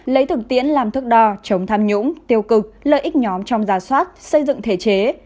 lấy thực tiễn làm thức đo chống tham nhũng tiêu cực lợi ích nhóm trong gia soát xây dựng thể chế